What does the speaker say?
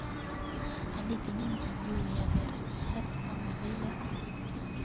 hadithi nyingi juu ya piranhas kama vile